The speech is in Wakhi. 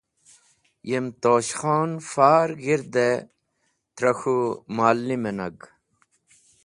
Yem Tosh Khon far g̃hirde trẽ k̃hũ ma’lim nag.